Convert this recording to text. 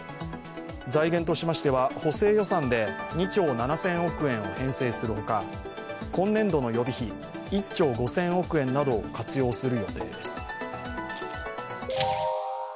財源としましては補正予算で２兆７０００億円を編成するほか、今年度の予備費１兆５０００億円などを活用する予定です。